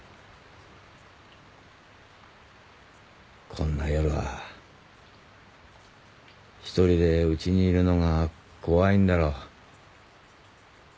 こんな夜は１人でウチにいるのが怖いんだろ。